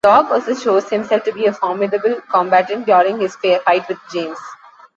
Dog also shows himself to be a formidable combatant during his fight with James.